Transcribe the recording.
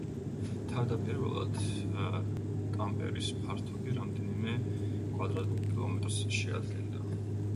თავდაპირველად ტამპერეს ფართობი რამდენიმე კვადრატულ კილომეტრს შეადგენდა.